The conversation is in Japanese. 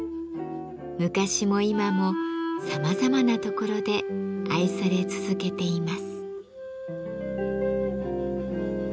昔も今もさまざまなところで愛され続けています。